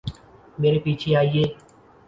میرے پیچھے آییے